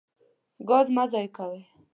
ګاز مه ضایع کوئ.